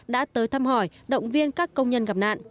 đã tới thăm hỏi động viên các công nhân gặp nạn